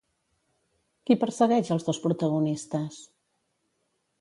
Qui persegueix els dos protagonistes?